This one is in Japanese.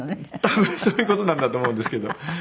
多分そういう事なんだと思うんですけど。